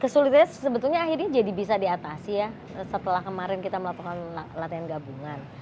kesulitannya sebetulnya akhirnya jadi bisa diatasi ya setelah kemarin kita melakukan latihan gabungan